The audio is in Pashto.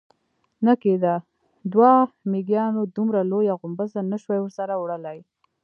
نه کېده، دوو مېږيانو دومره لويه غومبسه نه شوای ورسره وړلای.